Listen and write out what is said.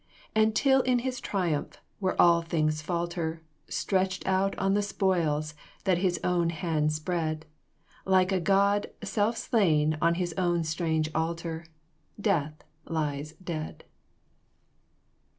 And till in his triumph, where all things falter, Stretched out on the spoils that his own hand spread, Like a god self slain on his own strange altar, Death lies dead."